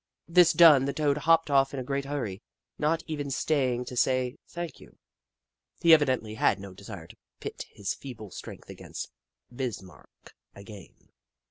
This done, the Toad hopped off in a great hurry, not even staying to say " thank you." He evidently had no desire to pit his feeble strength against Bis marck again.